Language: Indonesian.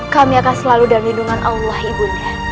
kami akan selalu dalam lindungan allah ibunda